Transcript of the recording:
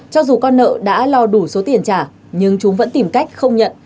cho dù con nợ đã lo đủ số tiền trả nhưng chúng vẫn tìm cách không nhận